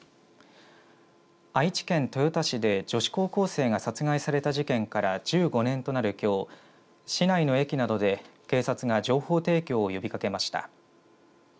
愛知県豊田市で女子高校生が殺害された事件から１５年となるきょう市内の駅などで警察が情報提供を呼びかけました。